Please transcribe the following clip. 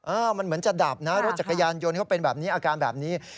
เหมือนจะดับนะรถจักรยานยนต์เขาเป็นแบบนี้อาการแบบนี้